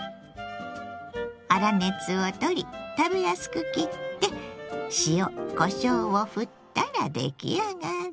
粗熱を取り食べやすく切って塩こしょうをふったら出来上がり。